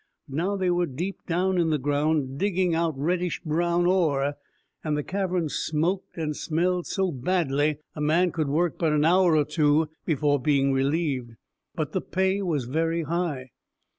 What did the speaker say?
But now they were deep down in the ground, digging out reddish brown ore, and the cavern smoked and smelled so badly a man could work but an hour or two before being relieved. But the pay was very high.